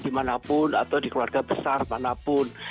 di mana mana pun atau di keluarga besar mana pun